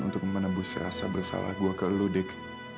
untuk menembus rasa bersalah gue ke lo dik